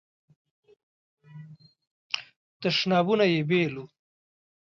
تشنابونه یې بیل وو.